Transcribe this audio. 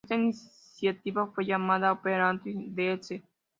Esta iniciativa fue llamada "Operation Weasel".